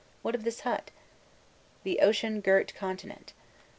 What of this hut? The ocean girt continent.